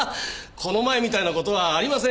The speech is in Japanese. この前みたいな事はありませんよ。